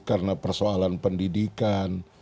karena persoalan pendidikan